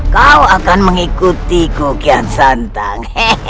kau akan mengikuti kukian santang